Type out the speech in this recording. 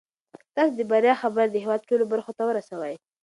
تاسو د بریا خبر د هیواد ټولو برخو ته ورسوئ.